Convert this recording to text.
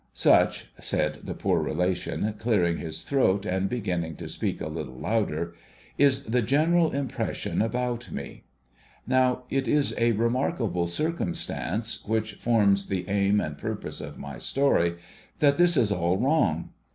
Such (said the poor relation, clearing his throat and beginning to speak a little louder) is the general impression about me. Now, it 28 THE POOR RELATION'S STORY is a remarkable circumstance which forms the aim and ])urpose of my story, that this is all wrong.